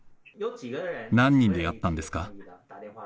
何人でやったんですか？